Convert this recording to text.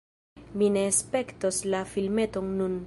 Mi ne spektos la filmeton nun